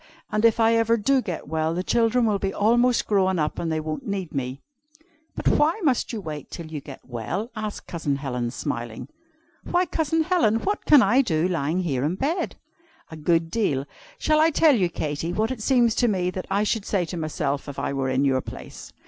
And if I ever do get well, the children will be almost grown up, and they won't need me." "But why must you wait till you get well?" asked Cousin Helen, smiling. "Why, Cousin Helen, what can I do lying here in bed?" "A good deal. Shall I tell you, Katy, what it seems to me that I should say to myself if I were in your place?"